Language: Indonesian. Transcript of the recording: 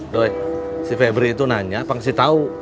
doi si febri itu nanya apa ngasih tau